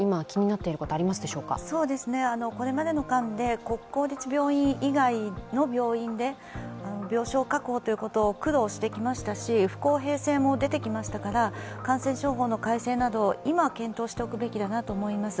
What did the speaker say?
これまでの間で国公立病院以外の病院で病床確保ということを苦労してきましたし、不公平性も出てきましたから、感染症法の改正など今、検討しておくべきだなと思います。